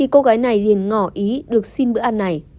cô gái được xin bữa ăn này